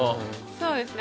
そうですね。